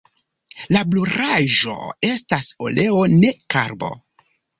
La brulaĵo estas oleo ne karbo.